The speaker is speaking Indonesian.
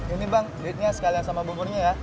ini bang lihatnya sekalian sama buburnya ya